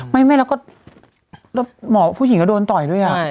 ไม่แล้วก็หมอผู้หญิงก็โดนต่อยด้วย